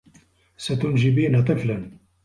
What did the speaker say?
ستنجبين طفلا.